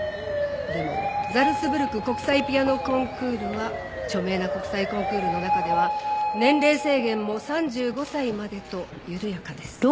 でもザルツブルク国際ピアノコンクールは著名な国際コンクールの中では年齢制限も３５歳までと緩やかです。